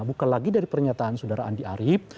bukan lagi dari pernyataan saudara andi arief